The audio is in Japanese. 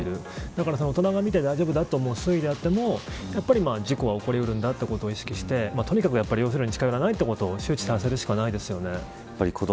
だから、大人が見て大丈夫だと思う用水路であっても事故は起こり得るということを意識してとにかく用水路に近寄らないことを周知させるしかないですね。